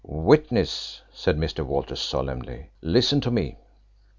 "Witness," said Mr. Walters solemnly, "listen to me.